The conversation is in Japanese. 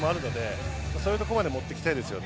そういうところまで持っていきたいですね。